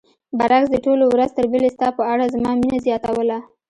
برعکس دې ټولو ورځ تر بلې ستا په اړه زما مینه زیاتوله.